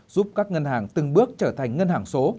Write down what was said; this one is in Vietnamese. giúp các ngân hàng từng bước trở thành ngân hàng số